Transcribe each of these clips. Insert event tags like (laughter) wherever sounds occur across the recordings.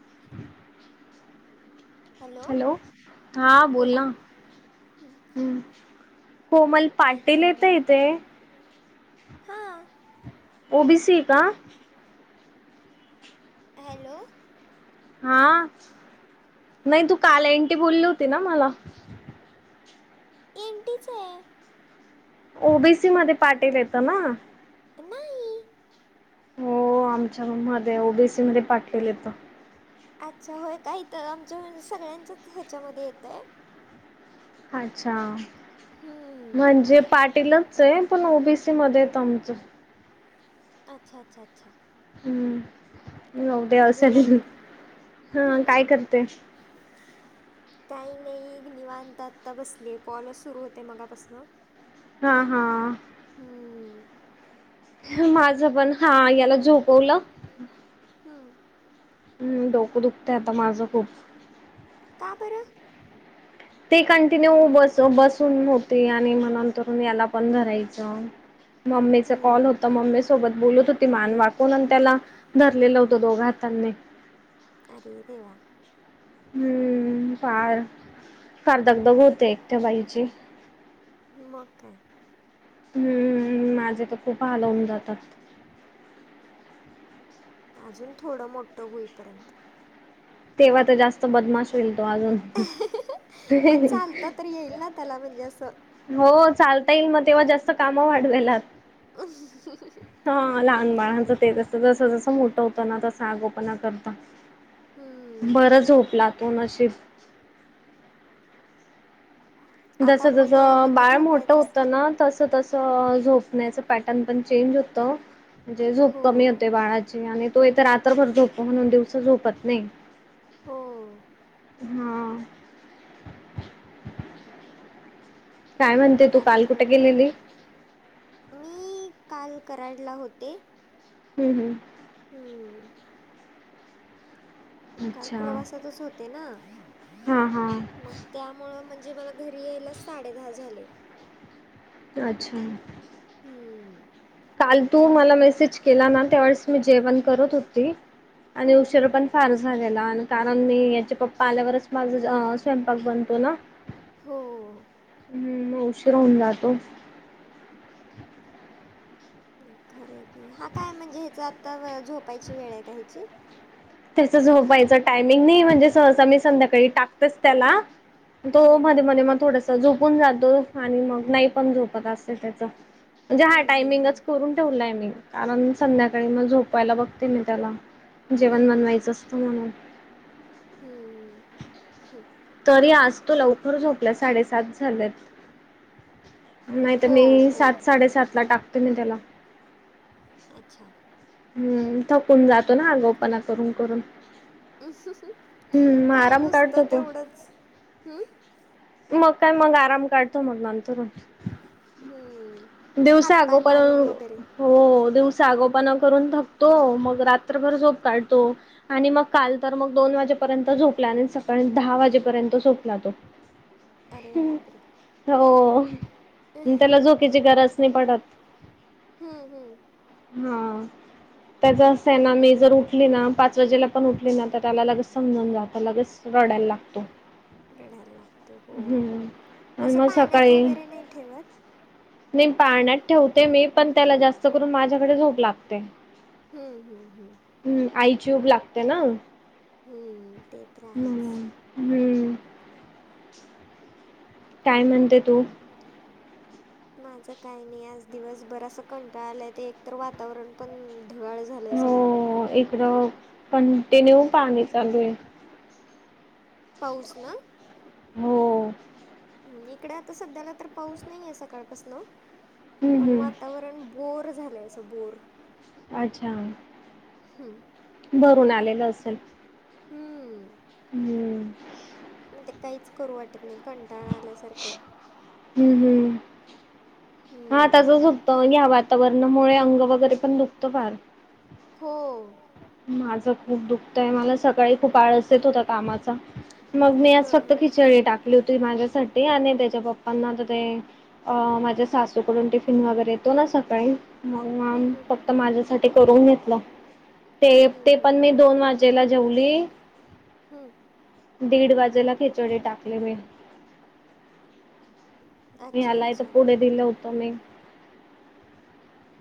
रिकाम हॅलो. हा बोल बोला ना. हम्म, कोमल पाटील येते इथे हा. ओ बी सी का? हॅलो. हा, नाही तू काल एंटी बोलली होती ना मला एंटीच आहे. ओ बी सी मध्ये पाटील येत ना. नाही. हो आमच्या रूम मध्ये ओ बी सी मध्ये पाटील येत. अच्छा होय काय इथ आमच्या सगळ्यांच्याच ह्याच्यामधे येतंय. अच्छा. हम्म म्हणजे पाटीलच आहे पण ओ बी सी मध्ये येत आमचं अच्छा अच्छा अच्छा. हम्म (unintelligible) बोला असेल. की हम्म काय करते? रिकाम काही नाही निवांत आता बसलीय कॉलच सुरू होते मगापासन हा हा. हम्म. माझं पण हा याला झोप मी झोपवल. हम्म. हम्म डोकं दुखतय आता माझं खूप. का बर? ते कंटिन्यू बसं बसूंन होते आणि म्हनूंन तरूंन यांला पणं धरायचं मम्मीच कॉल हम्म होतां मम्मी सोबतं बोलतं होती मांन वाकूंन आणि त्यांला धरलेलं होतं दोघं हातांनी अरे देवां हम्मं फांर फांर दगधग होते एकट्यां बाईची मंग कायं हम्मं माझे तरं खूंप हालहूंन जातांत अजूंन थोडं मोठं होईपर्यंत तेव्हां तरं जास्तं बदमांश होईल तो अजूंन पणं चालतां तरी येईल नां त्यांला म्हणजे असं हो चालतां येईल मंग तेव्हां जास्तं कामं वाढवेलांत हां ते लहांन तर बाळांचं आहे तेचं जसं जसं मोठं होतं नां तसं आगोपणां करतां हम्म बरं झोपलां तो नशीब आता जसं मग जसं म्हणजे बाळं मोठं झोपायचंच होतं नां तसं तं तसं झोपण्यांचं पॅटर्न पणं चेंज होतं म्हणजे झोंप हो कमी होते बाळांची आणि तोथ रात्रंभरं झोप म्हणूंन दिवसं झोपतं नाहीं हो हां काय म्हणते तू काल कुठे गेलेली रात्रंभरं मी कांल करांडला होते हम्मं हं हम्मं मंग कांल अच्छा. प्रवासांतचं होते नां हां हां त्यांमुळं म्हणजे मलां घरी यांयला साडे दहा झाले अच्छा हम्मं कांल तूं मलां मेसेज केलां नां त्यांवेळेस मी जेवणं करतं होती आणि हम्म उशीर हम्म पणं फांर झालेला आणि कारणं मी यांच्या पप्पां आल्यांवरचं माझां स्वयंपाक बनतो नां हो हम्मं मंग उशीर होऊंन जातो खरं की हां कायं म्हणजे ह्यांचं आंता झोपांयची वेळं आहे कां ह्यांची तसंच झोपायचं टायमिंग झोपांयचा नाही म्हणजे टाइमिंग सहसा मी नाहीं तरी संध्याकाळी मी टाकतेच संध्याकांळी त्याला ठाकरेंचं त्यांला हम्मं हम्मं झोपूंन जातो आणि मंग नाहीं पणं झोपतं असे त्यांचं म्हणजे हां हम्म हम्म टायमिंग चं हम्म करूंन ठेवलांय मी कारणं संध्याकांळी मंग झोपांयला बघते मी त्यांला पणं हम्म. बनवायचं असतं म्हणूंन हम्मं हं तरी आंज तो लवकरं झोपलां साडेसात झाल्यांत नाहीं तरं हो, मी हो. सात साडेसात लां टाकते मी त्यांला अच्छा हम्मं थकूंन जातो नां आगोपणां करूंन करूंन हम्मं कायं नुसतं काढतो तो तेवढंच हम्मं मंग कायं मंग आंराम काढतो मंग नंतरून हम्मं दिवसा हातपांय आगोपण मारूंन वगैरें हो दिवसा आगोपणा करून थकतो मग रात्रभर झोप काढतो. आणि मग काल तर मग दोन वाजेपर्यंत झोपला आणि सकाळी दहा वाजेपर्यंत झोपला तो. अरे बापरे! हो. त्याला झोकेची गरज नाही पडत? हम्म हम्म हा त्याचा सना मी जर उठली ना पाच वाजेला पण उठली ना तर त्याला लगच समजून जातं लगेच रडायला लागतो. रढायला लागतो हो हम्म आणि असं मग पाळण्यात वगैरे नाही ठेवत. नाहीी पाळन्यात ठेवते मी पण त्याला जास्त करून माझ्याकडे झोप लागते. हं, हं, हं. हम् आइची उब लागते ना? हम्म ते तर आहेच? हम्म काय म्हणते तू.. त त (inaudible) माझं काही नाही आज दिवस बर असं कंटाळ आलाय ते एक तर वातावरण पण ढग.,...... हो इकडं कंटिन्यू पाणी चालू आहे. पाऊस ना! हो इकडे आता सध्याला तर पाऊस नाहीे सकाळपासन हम्म पण हम्म वातावरण बोर झालंय असं बोर! अच्छा! हम्म भरून आलेल असेल? हम्म हम्म मग ते काहीच करू वाटत नाही कंटाळा आल्यासारखं. हम् हम् हा हम्म त्याचंचतं या वातावरणामुळे अंग वगैरे पण दुखतं फार. हो माझं खूप दुखतय आहे मला सकाळ.... सकाळी खूप आळस येत होता कामाचा मग मी आज हां फक्त हां खिचडी टाकते. त माझ्यासाठीठी आणि त्याच्या पप्पांना तर ते. अ माझ्या सासूकडून टिफिन वगैरे येतो ना सकाळी. मग मम हम्म हम्म हम्म फक्त माझ्यासाठी करून घेतलं. ते हम्म ते हम्म पण मी हम्म दोन वाजेला जेवली. हम्म दीड वाजेला खिचडे टाकले मि. मी अच्छा हलाय तर अच्छा पुढे दिलं होतं मी.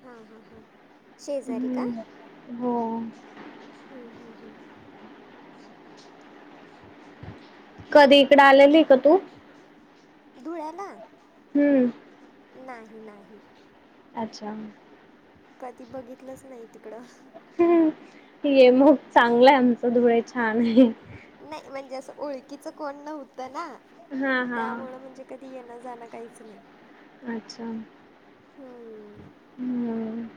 हा हां हां शेजारी का? हम्म हो... हम्म हम् हम् कधी इकडे कधी आलेली का इकड तू? आलेली का तू धुळ्याला? हम्म नाही नाही अच्छा कधी बघितलंच नाही तिकडं. हम्म, ये मग चांगलंय आमच धुळे छान आय. नाय म्हणजे असं ओळखीचं कोण नव्हतं ना हा हा त्यामुळ म्हणजे कधी येण जाणं काहीच नाय. अच्छा हम्म हम्.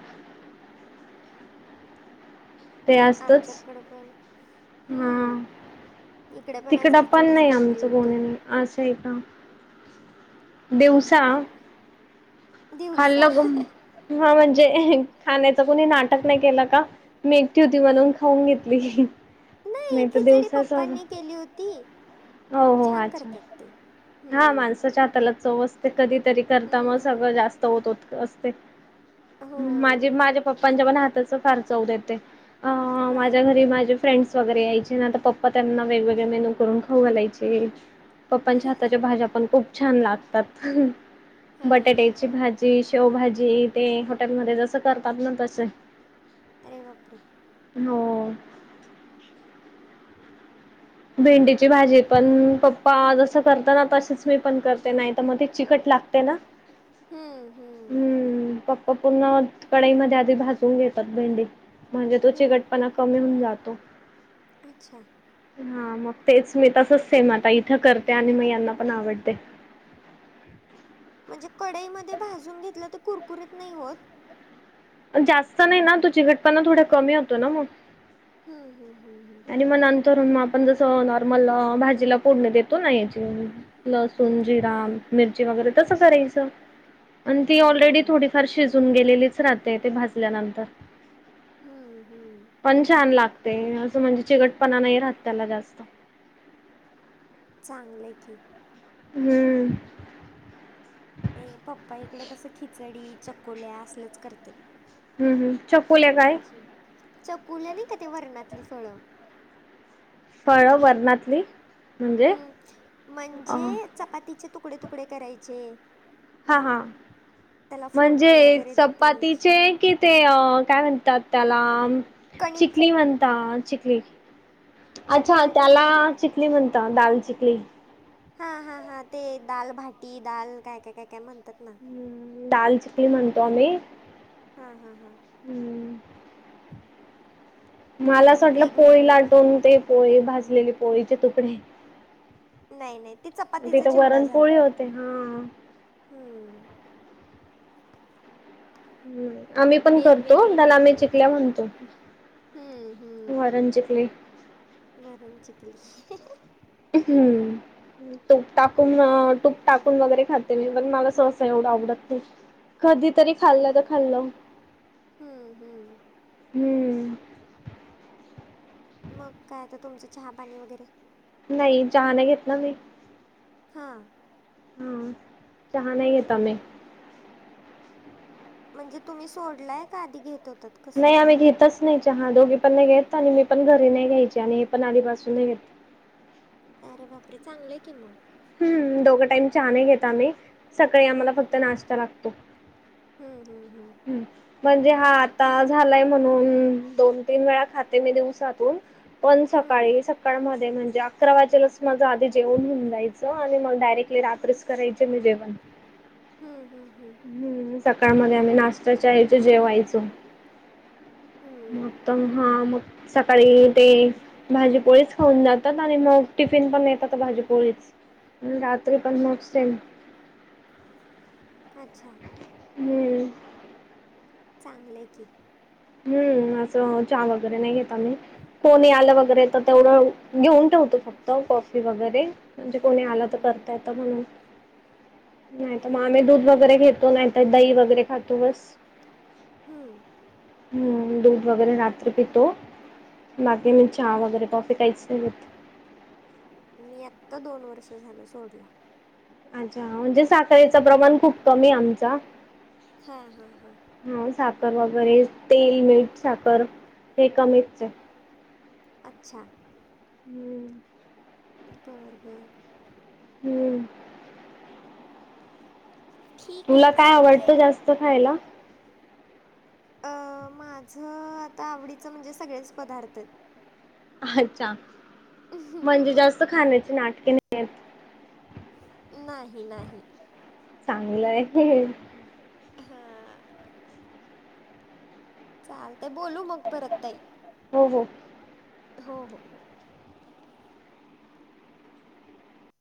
आमच्यातकड पण हम्म. इकडे आज तिकडं पण खिचडीच नाय बनली आमचं होती कोणी असं आय का दिवसा दिवसा खाल्लं ग हा म्हणजे खाण्याच कोणी नाटक नाय केलं का मेठी होती म्हणून. खाऊन घेतल की नाही नाय तर खिचडी दिवसाच पप्पांनी केली होती हो हो छान अच्छा करतात ते हा हम्म माणसाच्या हाताला चौव अस ते कधीतरी करता मग सगळं हम्म जास्त होत होत. अअसते हो माझी माझ्या पप्पांच्या पण हाताच फार चऊ देते. अ हा माझ्या घरी माझे फ्रेंड्स वगैरे यायचे ना त पप्पा त्यांना वेगवेगळे मेनू करून खाऊ घालायचे. पप्पांच्या हाताच्या भाज्या पण खूप छान लागतात. हा बटाट्याची भा शेवभाजी ते हॉटेलमध्ये जसं करतात ना तस. अरे बापरे. हो. भेंडी ची भाजी पण पप्पा जस करत ना तसच मी पण करते नाय तर मग ती चिकट लागते ना. हम्म पप्पा पूर्ण कडाई मध्ये आधी भाजून घेतात भेंडी. म्हणजे तो हम्म चिकटपणा कमी होऊन जातो. अच्छा. हा मग तेच मी तसंच सेम आता इथं करते आणि मग यांना पण आवडते. म्हणजे कडईमध्ये भाजून घेतलं तर कुरकुरीत नाय होत? जास्त नाय ना तो चिकटपणा थोडं कमी होतो ना मग. हम् हम् हम् हम्. आणि मग नंतरग आपण जस नॉर्मल भाजीला पोडण देतो ना याची. लसूण, जिरा, हां मिरची, वगैरे तस करायचं आणि ती ऑलरेडी हम्म थोडीफार शिज जून गेलेलीच राहते ते भाजल्यानंतर. हम्म-हम्म. पण छान लागते असं म्हणजे चिकटपणा नाय राहत त्याला जास्त. चांगलंय की. हम्म. हे पप्पा इकडं कसं खिचडी, चकोल्या असलच करत्यात. हम् हम्. मग भाजी चकुल्या नाय का ते वरर्णातली फळ. फळं वर्णातली म्हणजे? हम्म अ म्हणजे चपातीचे तुकडे तुकडे करायचे हा हा मग त्याला म्हणजे फोडणी वगैरे चपातीचे द्यायची की ते काय म्हणतात त्याला? कणिक चिखली म्हणता चिखली. अच्छा चिकली म्हणजे त्याला चिखली म्हणता दाल चिखली. हा हा हा ते दालभाटी, दाल काय काय काय काय म्हणतात ना. हम्म, दाल चिकली म्हणतो आम्ही. हा हा हा... हम्म मला असं वाटलं पोळी वेगवेगळी लाटवून ते पोळी भाजलेली पोळीचे तुकडे- नाही नाही, ते चपातीचा तिथे चिवडा झाला. वरणपोळी होते हा हम्म ह आम्ही पण करतो, वेगवेगळी त्याला आम्ही नाव आहेत चिकल्या म्हणतो हम्म हम्म.. वरण चिकली वरण चिकली ही ही हम्म. तूप टाकून, तूप टाकून, वगैरे खाते मी पण मला सहसा एवढ आवडत नाही कधीतरी हम्म खाल्लं तर खाल्लं खाल्लं हम्म हम्म. हम्. मग काय आता तुमचं चहा पाणी वगैरे- नाही चहा नाही घेत ना मी. हा. हा चहा नाही आहेत आम्ही. म्हणजे तुम्ही सोडलाय का आधी घेत होतात? नाही कसं आम्ही घेतच नाही चहा, दोघी पण नाही घेत, आणि मी पण घरी नाही घ्यायची आणि हे पण आधपासून नाही घेत. अरे बापरे चांगलेय की मग. हम्म दोघं टाईम चहा नाही घेत आम्ही सकाळी हम्म आम्हाला हम्म फक्त नाश्ता लागतो. हम्म हम्म हम्. हम्म. म्हणजे हा आता झालाय म्हणून दोन, तीन वेळा खाते मी दिवसातून. पण हम्म. सकाळी सक काळ म म्हणजे अकरा वाजेलाच माझं आधी जेवण होऊन जायचं आणि मला डायरेक्टली रात्री करायचे मी जेवण. हम्म हम्म हम्म. हम्म सकाळ म आम्ही नाश्ताच्या ऐवजी आम्ही जेवायचो मग हम्म तर हा मग सकाळी ते भाजीपोळीच खाऊन जातात आणि मग टिफिन पण नेतात भाजीपोळीच रात्री पण मग सेम. अच्छा. हम्म. चांगलय की. हम्म असं हा चहा वगैरे नाही घेत आम्ही कोणी आ ल तर तेवढ घेऊन ठेवतो फक्त कॉफी वगैरे म्हणजे कोणी हम्म आला तर हम्म हम्म करता ये त म्हणून नाही तर मग हम्म आम्ही दूध वगैरे घेतो नाहीत दही वगैरे खातो बस. हम्म. हम् दूध वगैरे रात्री पितो बाकी मग चहा वगैरे कॉफी काहीच नाही घेत मी आत्ता दोन वर्ष झाल सोडला. अच्छा म्हणजे स साखरीच प्रमाण खूप कमी आहे आमचा, हा हा. हा साखर वगैरे तेल, मीठ, साखर हे कमीच आहे. अच्छा. हम्म. बरं बरं. हम्म. ठीक आहे तुला काय चालतय. आवडतं जास्त खायला? माझं आता आवडीचं म्हणजे सगळेच पदार्थ आहेत. अच्छा म्हणजे जास्त खाण्याची नाटके नाही आहेत. नाही नाही. चांगलं आहे. हा. चालतय बोलू मग परत ताई. हो हो. हो हो हो.